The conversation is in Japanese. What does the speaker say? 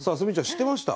知ってました？